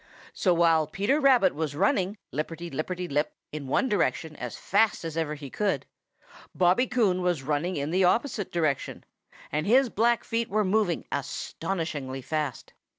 So while Peter Rabbit was running, lipperty lipperty lip, in one direction as fast as ever he could, Bobby Coon was running in the opposite direction, and his black feet were moving astonishingly fast.